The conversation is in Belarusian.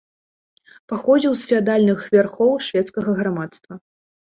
Паходзіў з феадальных вярхоў шведскага грамадства.